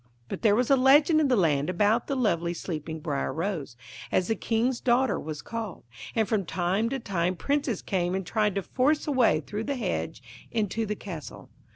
But there was a legend in the land about the lovely sleeping Briar Rose, as the King's daughter was called, and from time to time princes came and tried to force a way through the hedge into the castle.